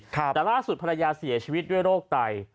แต่ล่าสุดภรรยาเสียชีวิตด้วยโรคไต